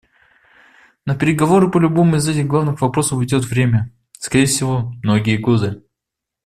На переговоры по любому из этих главных вопросов уйдет время — скорее всего, многие годы.